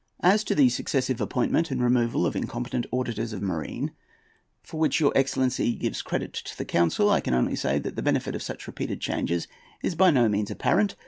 As to the successive appointment and removal of incompetent auditors of marine, for which your excellency gives credit to the council, I can only say that the benefit of such repeated changes is by no means apparent.